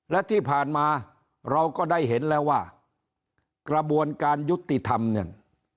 และที่ผ่านมาเราก็ได้เห็นแล้วว่ากระบวนการยุติธรรมเนี่ย